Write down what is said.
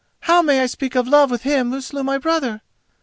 How may I speak of love with him who slew my brother?